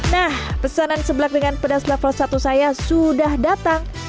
nah pesanan seblak dengan pedas level satu saya sudah datang